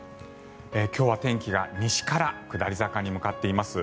今日は天気が西から下り坂に向かっています。